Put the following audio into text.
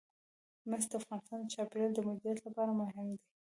مس د افغانستان د چاپیریال د مدیریت لپاره مهم دي.